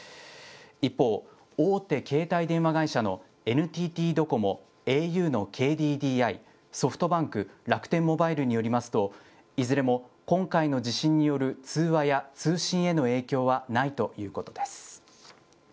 一方、大手携帯電話会社のＮＴＴドコモ、ａｕのＫＤＤＩ、ソフトバンク、楽天モバイルによりますと、いずれも今回の地震による通話や通信への影響はないということです。